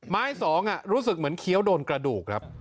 สองรู้สึกเหมือนเคี้ยวโดนกระดูกครับ